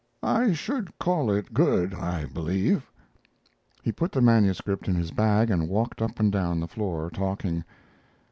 I should call it good, I believe." He put the manuscript in his bag and walked up and down the floor talking.